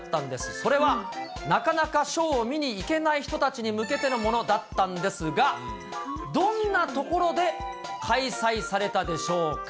それは、なかなかショーを見に行けない人たちに向けてのものだったんですが、どんな所で開催されたでしょうか。